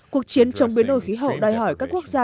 cuộc chiến chống biến đổi khí hậu đòi hỏi các quốc gia